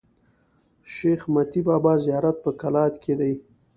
شېخ متي بابا زیارت په کلات کښي دﺉ.